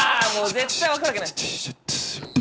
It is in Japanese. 絶対分かるわけない。